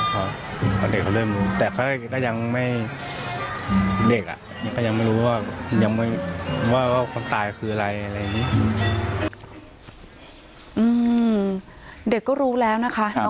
เพราะเด็กเขาเริ่มรู้แต่เขายังไม่เร็กอะก็ยังไม่รู้ว่าเลือไฟคนตายคือไร